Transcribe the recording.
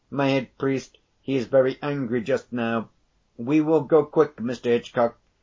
My head priest he is very angry just now. We will go quick, Mister Hitchcock.